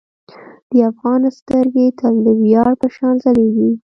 د افغان سترګې تل د ویاړ په شان ځلیږي.